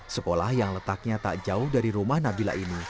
sekolah yang letaknya tak jauh dari rumah nabila ini